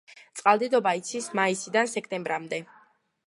წყალდიდობა იცის მაისიდან სექტემბრამდე.